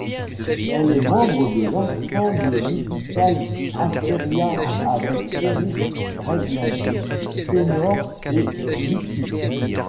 Elle est membre de l'ensemble musical Asteria avec Eric Redlinger, ténor et luthiste.